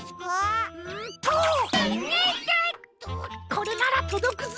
これならとどくぞ。